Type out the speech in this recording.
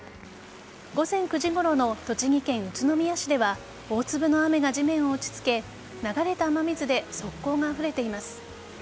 午前９時ごろの栃木県宇都宮市では大粒の雨が地面を打ちつけ流れた雨水で側溝があふれています。